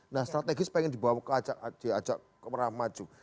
nah strategis pengen dibawa ajak ke peramaju